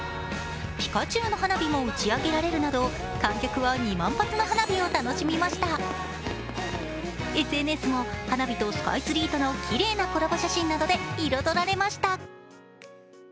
ピカチュウの花火も打ち上げられるなど、観客は２万発の花火を楽しみましたＳＮＳも花火とスカイツリーとのきれいなコラボ写真などで彩られました。